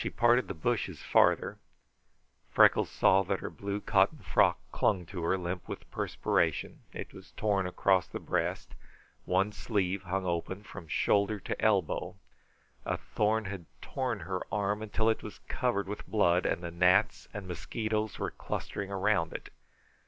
She parted the bushes farther. Freckles saw that her blue cotton frock clung to her, limp with perspiration. It was torn across the breast. One sleeve hung open from shoulder to elbow. A thorn had torn her arm until it was covered with blood, and the gnats and mosquitoes were clustering around it.